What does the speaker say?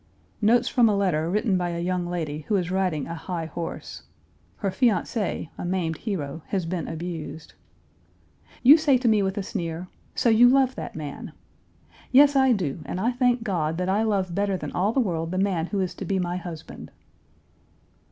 Notes from a letter written by a young lady who is riding a high horse. Her fiancé, a maimed hero, has been abused. "You say to me with a sneer, 'So you love that man.' Yes, I do, and I thank God that I love better than all the world the man who is to be my husband.